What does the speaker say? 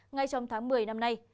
ngay trong tháng một mươi năm nay